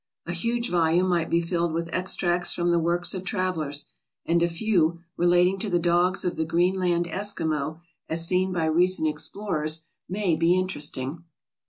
A huge volume might be filled with extracts from the works of travelers, and a few, relating to the dogs of the Greenland Eskimo, as seen by recent explorers, may be interesting.